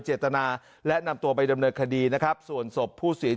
เจตนาและนำตัวไปดำเนินคดีนะครับส่วนศพผู้เสีย